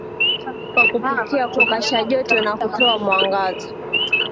kwa kupikia kupasha joto na kutoa mwangaza